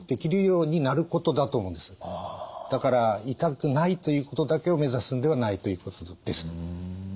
だから痛くないということだけをめざすんではないということです。